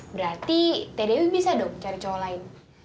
berarti teh dewi bisa dong cari cowok lain